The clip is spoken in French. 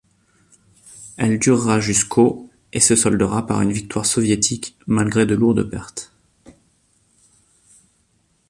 Elle durera jusqu'au et se soldera par une victoire soviétique, malgré de lourdes pertes.